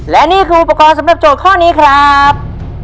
และนี่คืออุปกรณ์สำหรับโจทย์ข้อนี้ครับ